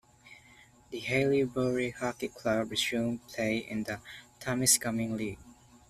The Haileybury Hockey Club resumed play in the Temiscaming League.